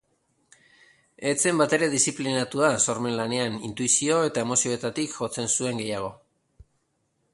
Ez zen batere diziplinatua sormen lanean, intuizio eta emozioetatik jotzen zuen gehiago.